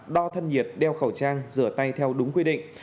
đo thân nhiệt đeo khẩu trang rửa tay theo đúng quy định